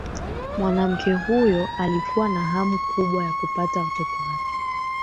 mwanamke huyo alikuwa na hamu kubwa ya kupata watoto wake